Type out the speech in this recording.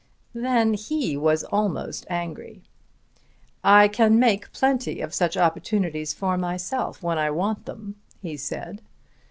Then he was almost angry. "I can make plenty of such opportunities for myself, when I want them," he said.